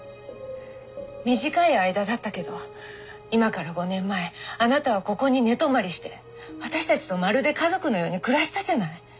短い間だったけど今から５年前あなたはここに寝泊まりして私たちとまるで家族のように暮らしたじゃない。